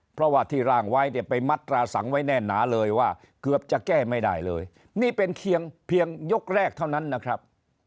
เพราะว่าที่ร่างไว้เนี่ยไปมัตราสังไว้แน่นหนาเลยว่าเกือบจะแก้ไม่ได้เลยนี่เป็นเพียงยกแรกเท่านั้นนะครับ